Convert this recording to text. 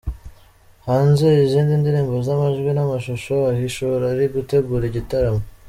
hanze izindi ndirimbo z’amajwi n’amashusho, ahishura ari gutegura igitaramo